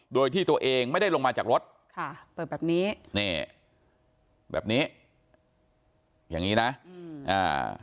โดยที่ตัวเองไม่ได้ลงมาจากรถค่ะเปิดแบบนี้นี่แบบนี้อย่างงี้นะอืมอ่า